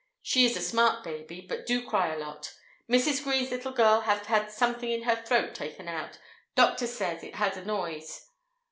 she is a smart Baby but do cry a lot. Mrs Greens little girl have had something in her throat taken out. doctor says its had a noise.